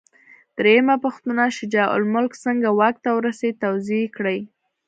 درېمه پوښتنه: شجاع الملک څنګه واک ته ورسېد؟ توضیح یې کړئ.